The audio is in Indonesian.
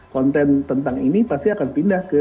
konten tentang ini pasti akan pindah ke